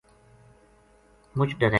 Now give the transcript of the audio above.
مُچ ڈرے